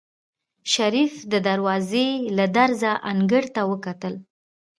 شريف د دروازې له درزه انګړ ته وکتل.